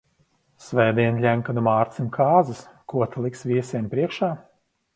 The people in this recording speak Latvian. Svētdien Ļenkanu Mārcim kāzas, ko ta liks viesiem priekšā?